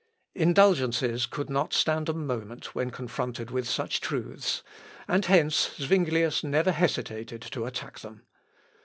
Indulgences could not stand a moment when confronted with such truths; and hence Zuinglius never hesitated to attack them.